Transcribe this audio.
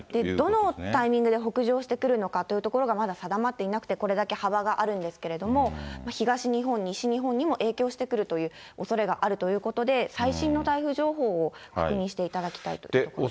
どのタイミングで北上してくるのかというところがまだ定まっていなくて、これだけ幅があるんですけれども、東日本、西日本にも影響してくるというおそれがあるということで、最新の台風情報を確認していただきたいといったところですね。